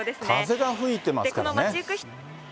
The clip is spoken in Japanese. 風が吹いてますからね。